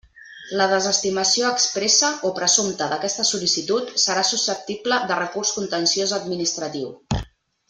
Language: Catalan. La desestimació expressa o presumpta d'aquesta sol·licitud serà susceptible de recurs contenciós administratiu.